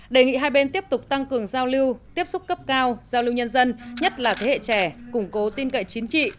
đề nghị hai bên tiếp tục tăng cường giao lưu tiếp xúc cấp cao giao lưu nhân dân nhất là thế hệ trẻ củng cố tin cậy chính trị